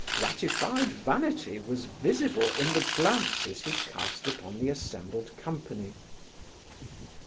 Gratified vanity was visible in the glances he cast upon the assembled company.